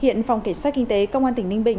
hiện phòng kiểm soát kinh tế công an tỉnh ninh bình